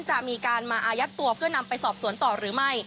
จะมีการมาอายัดตัวเพื่อนำไปสอบสวนต่อหรือไม่